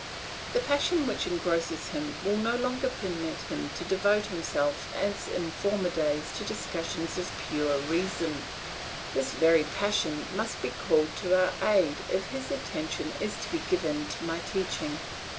The passion which engrosses him will no longer permit him to devote himself as in former days to discussions of pure reason; this very passion must be called to our aid if his attention is to be given to my teaching.